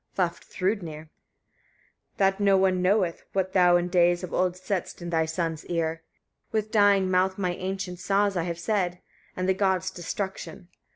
Vafthrûdnir. 55. That no one knoweth, what thou in days of old saidst in thy son's ear. With dying mouth my ancient saws I have said, and the gods' destruction.